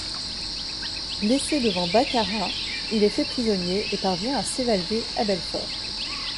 Blessé devant Baccarat, il est fait prisonnier et parvient à s'évader à Belfort.